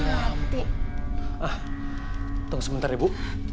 tunggu sebentar ya bu